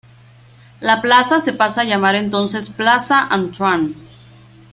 La plaza se pasa a llamar entonces plaza Antoine.